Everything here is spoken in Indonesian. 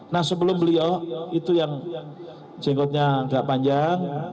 nah sebelum beliau itu yang jenggotnya agak panjang